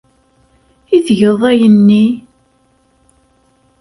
I tgeḍ ayenni?